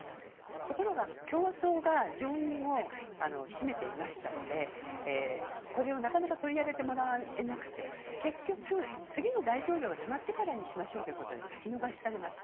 ところが、共和党が上院を占めていましたのでこれをなかなか取り上げてもらえなくて結局次の大統領が決まってからにしましょうということで先延ばしされました。